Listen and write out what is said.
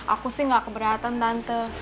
aku sih gak keberatan tante